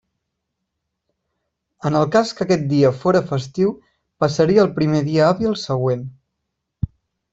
En el cas que aquest dia fóra festiu passaria al primer dia hàbil següent.